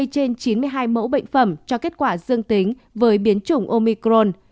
hai mươi trên chín mươi hai mẫu bệnh phẩm cho kết quả dương tính với biến chủng omicron